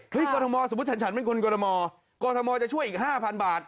เห้ยกมสมมติฉันฉันเป็นคนกมกมจะช่วยอีกห้าพันบาท